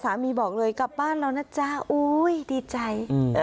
สามีบอกเลยกลับบ้านเรานะจ้าอุ้ยดีใจ